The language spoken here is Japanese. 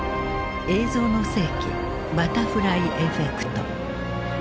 「映像の世紀バタフライエフェクト」。